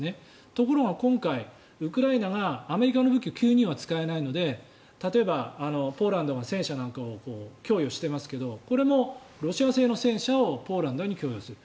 ところが今回、ウクライナがアメリカの武器を急には使えないので例えばポーランドが戦車なんかを供与していますがこれもロシア製の戦車をポーランドに供与する。